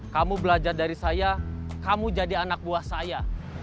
kamu belajar dari saya kamu jadi anak buah saya